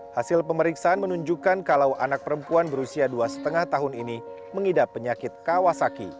hasil pemeriksaan menunjukkan kalau anak perempuan berusia dua lima tahun ini mengidap penyakit kawasaki